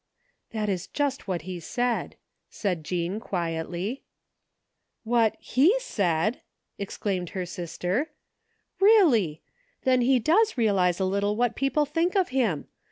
That is just what he said," said Jean quietly. What he said! " exclaimed her sister. " Really! Then he does realize a little what people think of him